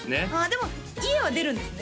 でも家は出るんですね